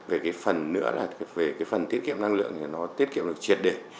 về cái phần nữa là về cái phần tiết kiệm năng lượng thì nó tiết kiệm được triệt để